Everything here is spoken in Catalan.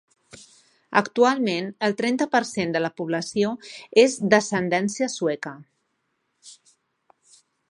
Actualment, el trenta per cent de la població és d'ascendència sueca.